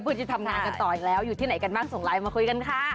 เพื่อจะทำงานกันต่ออีกแล้วอยู่ที่ไหนกันบ้างส่งไลน์มาคุยกันค่ะ